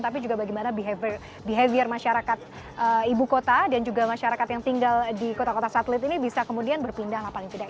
tapi juga bagaimana behavior masyarakat ibu kota dan juga masyarakat yang tinggal di kota kota satelit ini bisa kemudian berpindah lah paling tidak